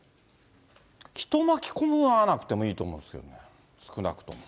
人を巻き込まなくてもいいと思うんですけれども、少なくとも。